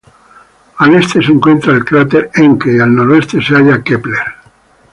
Al este se encuentra el cráter Encke, y al noreste se halla Kepler.